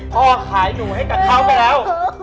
พ่อขายหนูให้กับเขาไปแล้ว